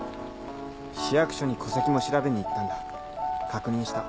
市役所に戸籍も調べに行ったんだ確認した。